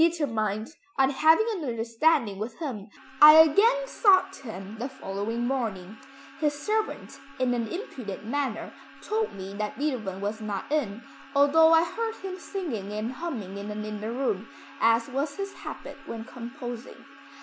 Determined on having an understanding with him I again sought him the following morning. His servant in an impudent manner told me that Beethoven was not in, although I heard him singing and humming in an inner room, as was his habit when composing.